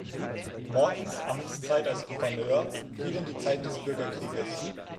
Mortons Amtszeit als Gouverneur fiel in die Zeit des Bürgerkrieges.